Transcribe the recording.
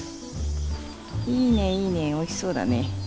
いいねいいねおいしそうだね。